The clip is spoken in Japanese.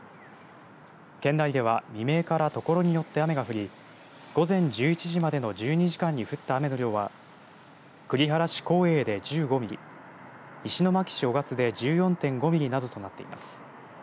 県内では未明から所によって雨が降り午前１１時までの１２時間に降った雨の量は栗原市耕英で１５ミリ石巻市雄勝で１４．５ミリなどとなっています。